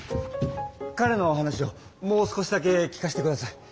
かれの話をもう少しだけ聞かしてください。